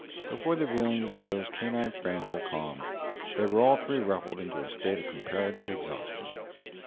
Before the feelings of those canine friends were calmed, they were all three ruffled into a state of comparative exhaustion.